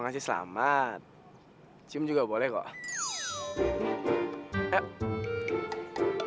masih selamat cium juga boleh kok